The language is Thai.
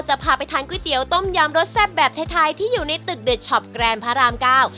จะพาไปทานก๋วยเตี๋ยวต้มยำรสแซ่บแบบไทยไทยที่อยู่ในตึกเด็ดช็อปแกรนพระรามเก้า